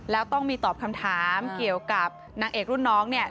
แล้วต้องมีตอบคำถามเกี่ยวกับนางเอกรุ่นน้องเนี่ย